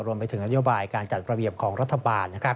รวมไปถึงนโยบายการจัดระเบียบของรัฐบาล